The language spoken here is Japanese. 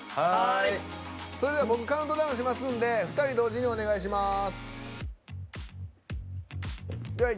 それでは、僕カウントダウンしますんで２人同時にお願いします。